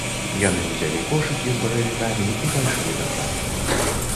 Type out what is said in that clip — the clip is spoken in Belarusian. Яны ўзялі кошыкі з баравікамі і пайшлі дахаты.